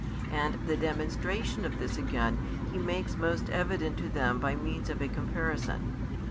And the demonstration of this again He makes most evident to them by means of a comparison.